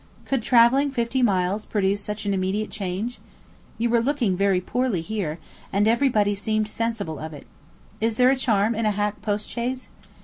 Could travelling fifty miles produce such an immediate change? You were looking very poorly here, and everybody seemed sensible of it. Is there a charm in a hack postchaise?